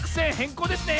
こうですね！